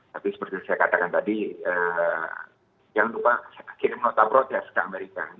tapi seperti saya katakan tadi jangan lupa saya kirim nota protes ke amerika